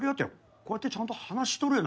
こうやってちゃんと話しとるやないか。